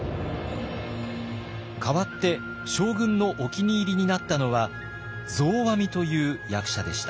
代わって将軍のお気に入りになったのは増阿弥という役者でした。